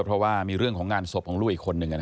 เพราะว่ามีเรื่องของงานศพของลูกอีกคนนึง